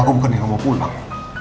aku bukan yang mau pulang